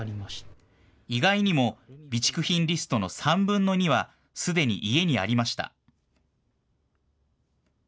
意外にも備蓄品リストの３分の２はすでに家にありました。